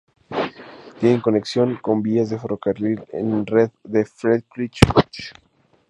Tiene conexión con vías de ferrocarril a la red de Feldkirch-Buchs.